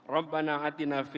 ya tuhan yang maha mengasihi